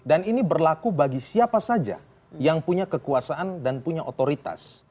dan ini berlaku bagi siapa saja yang punya kekuasaan dan punya otoritas